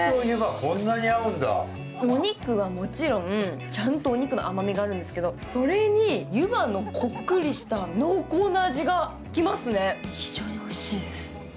お肉はもちろん、ちゃんとお肉の甘みがあるんですけど、それに湯葉のこっくりした濃厚な味が来ますね、非常においしいです。